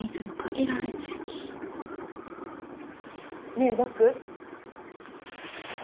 ねえ僕。